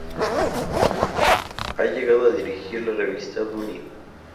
Ha llegado a dirigir la revista Dunia.